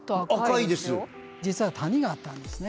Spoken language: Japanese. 実は谷があったんですね。